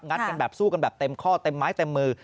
กันแบบสู้กันแบบเต็มข้อเต็มไม้เต็มมือ